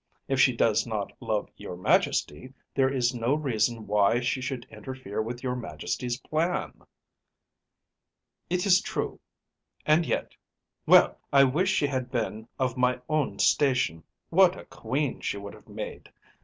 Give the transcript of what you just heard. If she does not love your Majesty, there is no reason why she should interfere with your Majesty’s plan.‚ÄĚ “It is true. And yet‚ÄĒ! Well! I wish she had been of my own station! What a queen she would have made!